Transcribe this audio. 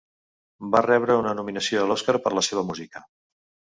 Va rebre una nominació a l'Oscar per la seva música.